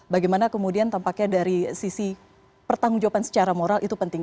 bagaimana kemudian tampaknya dari sisi pertanggung jawaban secara moral itu penting